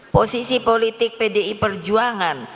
posisi politik pdi perjuangan